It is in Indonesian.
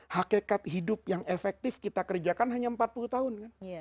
hakikat hidup yang efektif kita kerjakan hanya empat puluh tahun kan